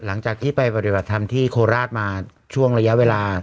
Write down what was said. หลังจากที่ไปปฏิบัติธรรมที่โคราชมาช่วงระยะเวลา